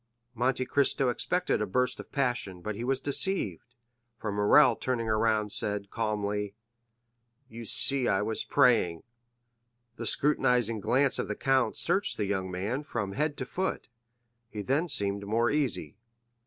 Monte Cristo expected a burst of passion, but he was deceived, for Morrel turning round, said calmly,— "You see I was praying." The scrutinizing glance of the count searched the young man from head to foot. He then seemed more easy.